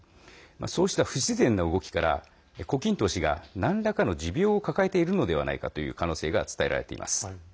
そうした不自然な動きから胡錦涛氏が何らかの持病を抱えているのではないかという可能性が伝えられています。